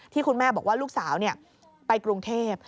คุณแม่บอกว่าลูกสาวไปกรุงเทพ